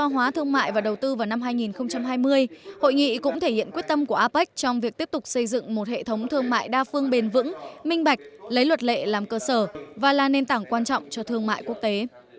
hội nghị cũng thể hiện quyết tâm của apec trong việc tiếp tục xây dựng một hệ thống thương mại đa phương bền vững minh bạch lấy luật lệ làm cơ sở và là nền tảng quan trọng cho thương mại quốc tế